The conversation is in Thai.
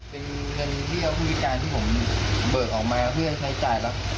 เป็นเงินที่เขาพิการที่ผมเบิกออกมาเพื่อใช้จ่ายแล้ว